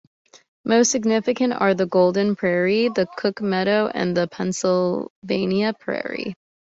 Most significant are the Golden Prairie, the Cook Meadow and the Pennsylvania Prairie.